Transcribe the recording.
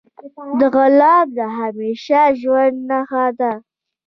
د غلام د همیشه ژوند نه ښه دی.